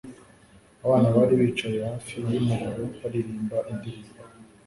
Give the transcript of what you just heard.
abana bari bicaye hafi yumuriro baririmba indirimbo